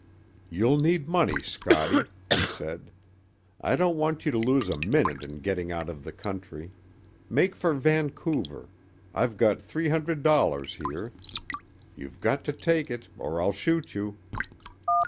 "You'll need money, Scottie," he said. "I don't want you to lose a minute in getting out of the country. Make for Vancouver. I've got three hundred dollars here. You've got to take it or I'll shoot you!"